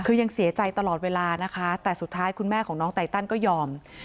คือยังเสียใจตลอดเวลานะคะแต่สุดท้ายคุณแม่ของน้องไตตันก็ยอม